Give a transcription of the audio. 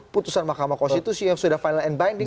putusan mahkamah konstitusi yang sudah final and binding